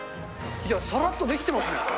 さらっとできてますね。